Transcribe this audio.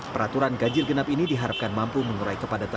peraturan ganjil genap ini diharapkan mampu mengurai kepadatan